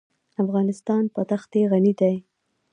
افغانستان په ښتې غني دی.